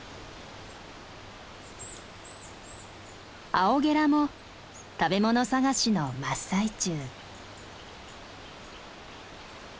アオゲラも食べ物探しの真っ最中。